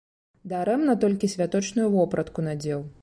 Дарэмна толькі святочную вопратку надзеў.